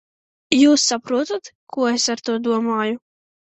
Jūs saprotat, ko es ar to domāju?